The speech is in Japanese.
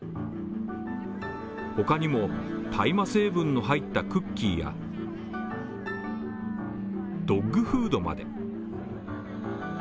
他にも、大麻成分の入ったクッキーやドッグフードまで。